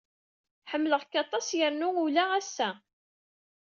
Ḥemmleɣ-k aṭas yernu ula ass-a.